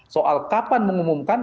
soal kapan mengumumkan